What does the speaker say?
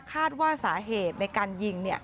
คาดว่าสาเหตุในการยิง